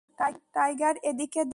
Tiger, এদিকে দে!